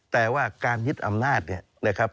แต่ว่าการยึดอำนาจเนี่ยนะครับ